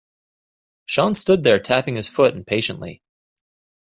Sean stood there tapping his foot impatiently.